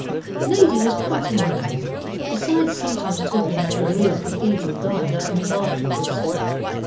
The lady was quite amusing, besides sometimes talking like a real cathedral guide I met afterwards.